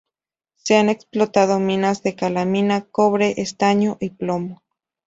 Se han explotado minas de calamina, cobre, estaño y plomo.